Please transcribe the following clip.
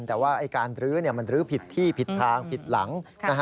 แต่ว่าการรื้อมันรื้อผิดที่ผิดทางผิดหลัง